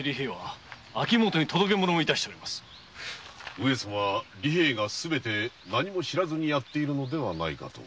上様は利平が何も知らずにやっているのではないかと。